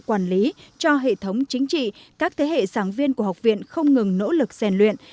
quản lý cho hệ thống chính trị các thế hệ sáng viên của học viện không ngừng nỗ lực rèn luyện